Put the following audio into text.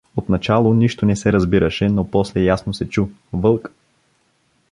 Отначало нищо не се разбираше, но после ясно се чу: Вълк!